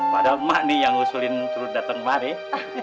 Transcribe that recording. padahal mbak nih yang ngusulin terus datang mbak nih